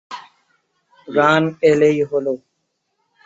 Run এলেই হলো।